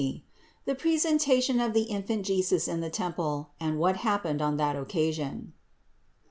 THE PRESENTATION OF THE INFANT JESUS IN THE TEMPLE AND WHAT HAPPENED ON THAT OCCASION.